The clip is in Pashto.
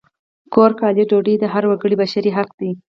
کور، کالي، ډوډۍ د هر وګړي بشري حق دی!